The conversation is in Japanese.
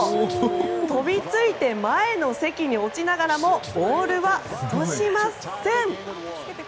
飛びついて前の席に落ちながらもボールは落としません。